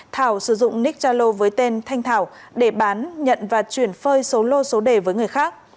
thảo sử dụng nick zalo với tên thanh thảo để bán nhận và chuyển phơi số lô số đề với người khác